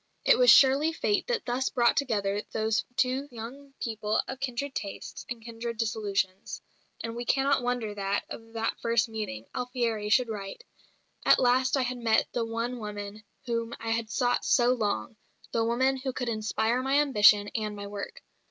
It was surely fate that thus brought together these two young people of kindred tastes and kindred disillusions; and we cannot wonder that, of that first meeting, Alfieri should write, "At last I had met the one woman whom I had sought so long, the woman who could inspire my ambition and my work.